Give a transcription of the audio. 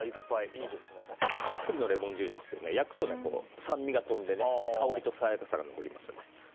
たっぷりのレモン汁ですけど焼くと酸味が飛んで香りと爽やかさが残ります。